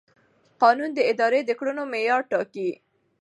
قانون د ادارې د کړنو معیار ټاکي.